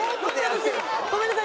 ごめんなさい。